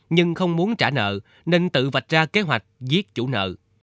nhưng không muốn trả nợ nên tự vạch ra kế hoạch giết chủ nợ